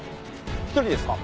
１人ですか？